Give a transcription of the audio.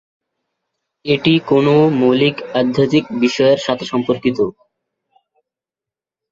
এটি কোনও মৌলিক আধ্যাত্মিক বিষয়ের সাথে সম্পর্কিত।